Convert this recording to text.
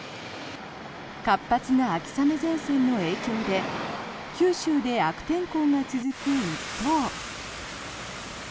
活発な秋雨前線の影響で九州で悪天候が続く一方。